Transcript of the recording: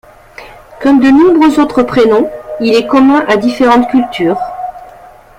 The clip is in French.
Comme de nombreux autres prénoms, il est commun à différentes cultures.